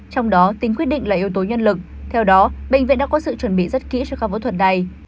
trong đó tính quyết định là yếu tố nhân lực theo đó bệnh viện đã có sự chuẩn bị rất kỹ cho các phẫu thuật này